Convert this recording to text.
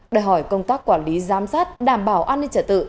đòi hỏi công tác quản lý giám sát đảm bảo an ninh trả tự